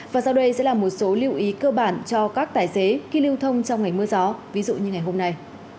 và sau đây sẽ là một số lưu ý cơ bản cho các tài xế khi lưu thông trong ngày mưa gió ví dụ như ngày hôm nay